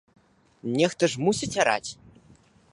Нехта ж мусіць араць.